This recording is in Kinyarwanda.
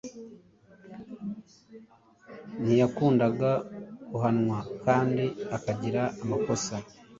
Ntiyakundaga guhanwa kandi akagira amakosa.